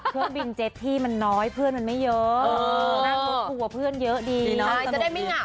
เครื่องบินเจ็ตที่มันน้อยเพื่อนมันไม่เยอะนั่งรถทัวร์เพื่อนเยอะดีใช่จะได้ไม่เหงา